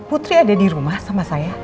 putri ada di rumah sama saya